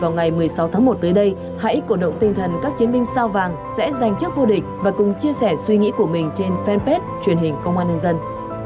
vào ngày một mươi sáu tháng một tới đây hãy cổ động tinh thần các chiến binh sao vàng sẽ giành chức vô địch và cùng chia sẻ suy nghĩ của mình trên fanpage truyền hình công an nhân dân